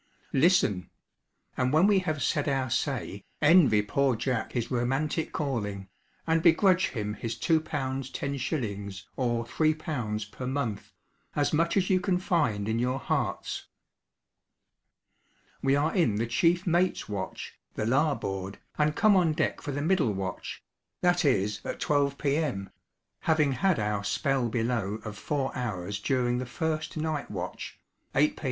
Listen; and when we have 'said our say,' envy poor Jack his romantic calling, and begrudge him his L.2, 10s. or L.3 per month, as much as you can find in your hearts. We are in the chief mate's watch (the larboard), and come on deck for the middle watch that is, at 12 P.M. having had our spell below of four hours during the first night watch (8 P.